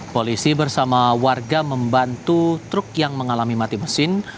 polisi bersama warga membantu truk yang mengalami mati mesin